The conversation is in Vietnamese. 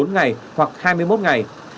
một mươi bốn ngày hoặc hai mươi một ngày